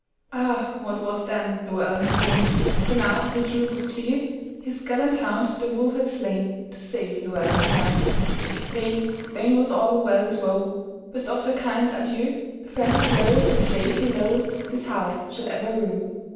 Ah, what was then Llewelyn's pain! For now the truth was clear; His gallant hound the wolf had slainTo save Llewelyn's heir:Vain, vain was all Llewelyn's woe;"Best of thy kind, adieu! The frantic blow which laid thee lowThis heart shall ever rue."